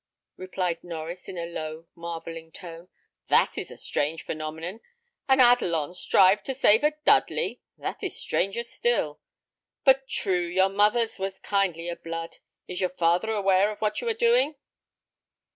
replied Norries, in a low, marvelling tone; "that is a strange phenomenon! An Adelon strive to save a Dudley! That is stranger still. But true, your mother's was kindlier blood. Is your father aware of what you are doing?"